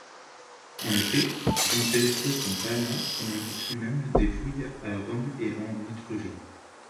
En effet, Giampetro Campana commandite lui-même des fouilles à Rome et en Étrurie.